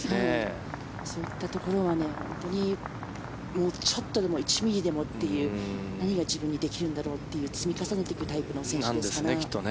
そういったところは本当にちょっとでも１ミリでもという何が自分にできるんだろうという積み重ねていくタイプの選手ですから。